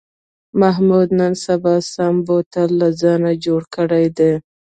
محمود نن سبا سم بوتل له ځانه جوړ کړی دی.